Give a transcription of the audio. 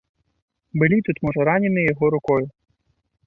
Былі тут, можа, раненыя яго рукою.